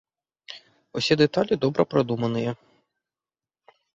Усе дэталі добра прадуманыя.